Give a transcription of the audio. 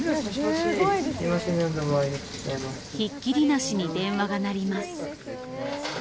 ひっきりなしに電話が鳴ります。